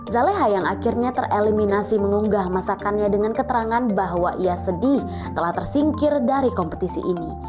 zaleha yang akhirnya tereliminasi mengunggah masakannya dengan keterangan bahwa ia sedih telah tersingkir dari kompetisi ini